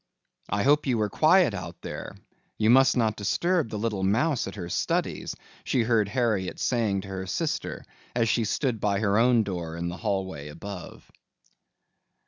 "I hope you were quiet out there. You must not disturb the little mouse at her studies," she heard Harriet saying to her sister as she stood by her own door in the hallway above.